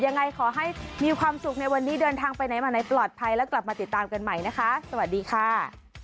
ยังไงขอให้มีความสุขในวันนี้เดินทางไปไหนมาไหนปลอดภัยแล้วกลับมาติดตามกันใหม่นะคะสวัสดีค่ะ